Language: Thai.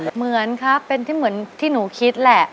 เหมือนครับเป็นที่เหมือนที่หนูคิดแหละ